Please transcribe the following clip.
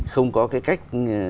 không có cái cách